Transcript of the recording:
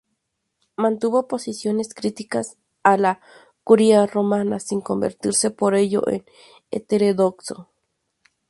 Mantuvo posiciones críticas a la Curia romana, sin convertirse por ello en heterodoxo.